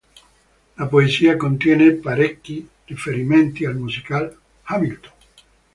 La poesia contiene parecchi riferimenti al musical "Hamilton".